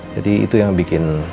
jadi itu yang bikin